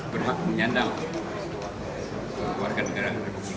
berhak menyandang warga negara